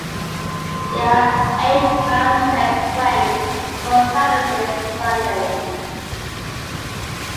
There are eight round-trip trains on both Saturdays and Sundays.